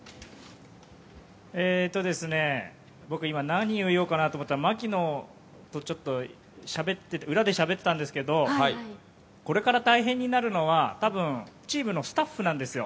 僕今、何を言おうかなと思ったら槙野とちょっと裏でしゃべっていたんですけどこれから大変になるのは、多分チームのスタッフなんですよ。